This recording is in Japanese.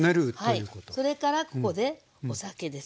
それからここでお酒です。